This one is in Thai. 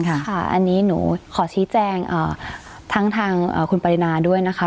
ค่ะอันนี้หนูขอชี้แจงทั้งทางคุณปรินาด้วยนะคะ